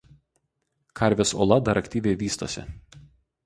Karvės Ola dar aktyviai vystosi.